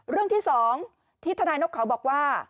เรื่องที่๒ที่ทนายนกเขาบอกว่า